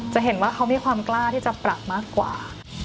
จะเห็นว่าเขามีความกล้าที่จะปรับมากกว่า